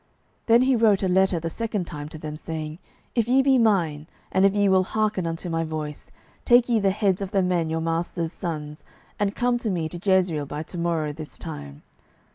12:010:006 Then he wrote a letter the second time to them, saying, If ye be mine, and if ye will hearken unto my voice, take ye the heads of the men your master's sons, and come to me to Jezreel by to morrow this time.